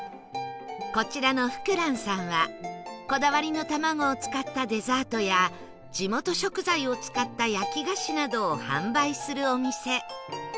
こちらのふくらんさんはこだわりの卵を使ったデザートや地元食材を使った焼き菓子などを販売するお店